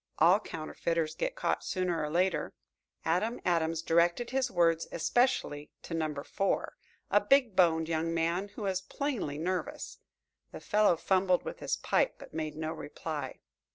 "All counterfeiters get caught sooner or later." Adam Adams directed his words especially to Number Four, a big boned young man, who was plainly nervous. The fellow fumbled with his pipe but made no reply.